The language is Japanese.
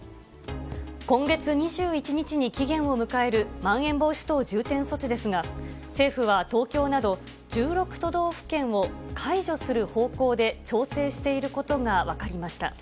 今月２１日に期限を迎える、まん延防止等重点措置ですが、政府は東京など、１６都道府県を解除する方向で調整していることが分かりました。